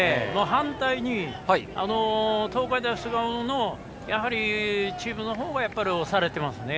反対に東海大菅生のチームのほうは押されてますね。